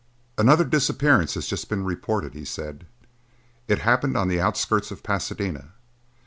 "Another disappearance has just been reported," he said. "It happened on the outskirts of Pasadena.